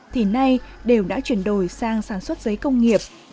thì nay đều đã chuyển đổi sang sản xuất giấy công nghiệp